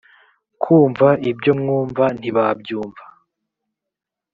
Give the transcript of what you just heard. kumva ibyo mwumva ntibabyumva .